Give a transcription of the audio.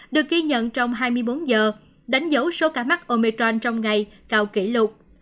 được ghi nhận trong hai mươi bốn giờ đánh dấu số ca mắc ometron trong ngày cao kỷ lục